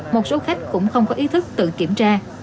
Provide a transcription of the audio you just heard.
một số khách cũng không có ý thức tự kiểm tra